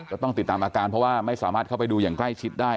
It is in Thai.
ต้องติดตามอาการเพราะว่าไม่สามารถเข้าไปดูอย่างใกล้ชิดได้